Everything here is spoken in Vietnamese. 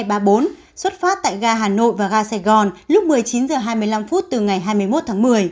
xuất phát tại ga hà nội và ga sài gòn lúc một mươi chín h hai mươi năm từ ngày hai mươi một tháng một mươi